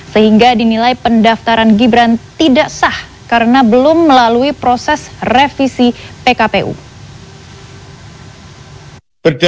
sehingga kpu menerbitkan keabzahan kpu tersebut